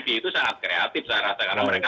di itu sangat kreatif saya rasa karena mereka